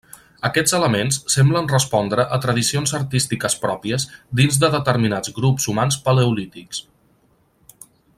Aquests elements semblen respondre a tradicions artístiques pròpies dins de determinats grups humans paleolítics.